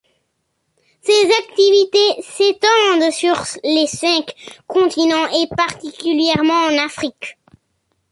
Ses activités s'étendent sur les cinq continents, et particulièrement en Afrique.